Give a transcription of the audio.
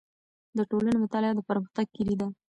د ټولنې مطالعه د پرمختګ کیلي ده.